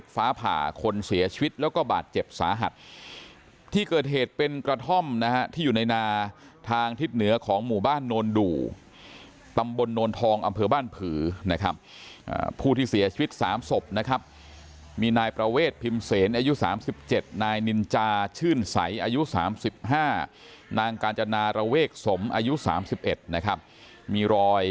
ฟ้าผ่าคนเสียชีวิตแล้วก็บาดเจ็บสาหัสที่เกิดเหตุเป็นกระท่อมนะฮะที่อยู่ในนาทางทิศเหนือของหมู่บ้านโนนดูตำบลโนนทองอำเภอบ้านผือนะครับผู้ที่เสียชีวิต๓ศพนะครับมีนายประเวทพิมพ์เสนอายุ๓๗นายนินจาชื่นใสอายุ๓๕นางกาญจนาระเวกสมอายุ๓๑นะครับมีรอย